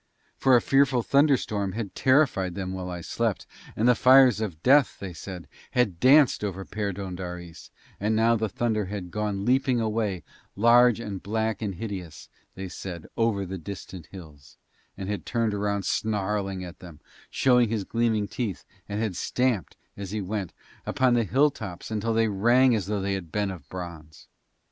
For a fearful thunderstorm had terrified them while I slept, and the fires of death, they said, had danced over Perdóndaris, and now the thunder had gone leaping away large and black and hideous, they said, over the distant hills, and had turned round snarling at them, showing his gleaming teeth, and had stamped, as he went, upon the hilltops until they rang as though they had been bronze.